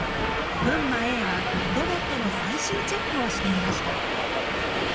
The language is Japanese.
群馬Ａはロボットの最終チェックをしていました。